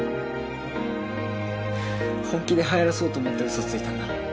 本気ではやらそうと思ってウソついたんだ。